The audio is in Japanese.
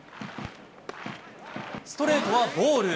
ストレートはボール。